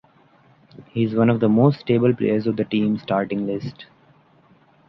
He is one of the most stable players of the team starting list.